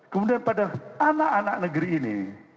kemudian pada anak anak negeri ini